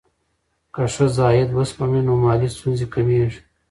که ښځه عاید وسپموي، نو مالي ستونزې کمېږي.